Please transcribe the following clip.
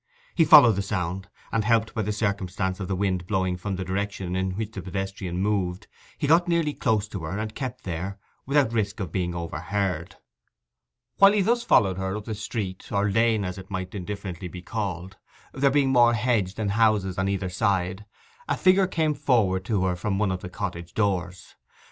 He followed the sound, and, helped by the circumstance of the wind blowing from the direction in which the pedestrian moved, he got nearly close to her, and kept there, without risk of being overheard. While he thus followed her up the street or lane, as it might indifferently be called, there being more hedge than houses on either side, a figure came forward to her from one of the cottage doors.